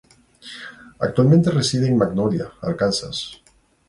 Actualmente reside en Magnolia, Arkansas.